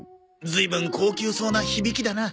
ずいぶん高級そうな響きだな。